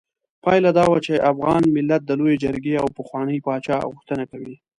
پايله دا وه چې افغان ملت د لویې جرګې او پخواني پاچا غوښتنه کوي.